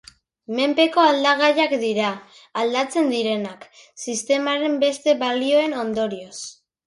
Menpeko aldagaiak dira aldatzen direnak, sistemaren beste balioen ondorioz.